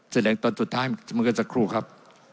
แสดงตนสุดท้ายมันก็สักครู่ครับ